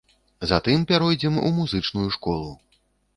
Затым пяройдзем у музычную школу.